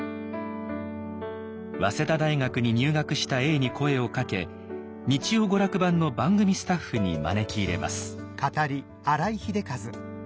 早稲田大学に入学した永に声をかけ「日曜娯楽版」の番組スタッフに招き入れます。